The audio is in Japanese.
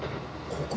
「ここ」